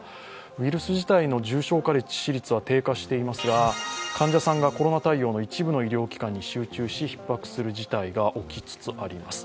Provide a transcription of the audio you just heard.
ウイルス自体の重症化率は低下していますが患者さんがコロナ対応の一部の医療機関に集中しひっ迫する事態が起きつつあります。